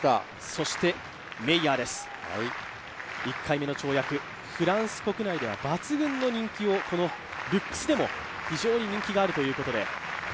そしてメイヤーです、１回目の跳躍、フランス国内では抜群の人気を、ルックスでも非常に人気があるということで。